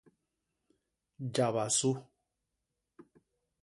Jaba su.